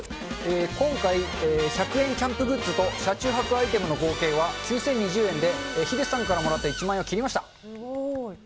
今回、１００円キャンプグッズと車中泊アイテムの合計は、９０２０円で、ヒデさんからもらった１万円を切りました。